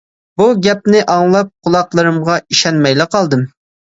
بۇ گەپنى ئاڭلاپ قۇلاقلىرىمغا ئىشەنمەيلا قالدىم.